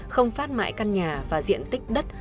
không phát mãi căn nhà và diện tích đất